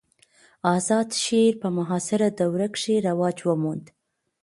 آزاد شعر په معاصره دوره کښي رواج وموند.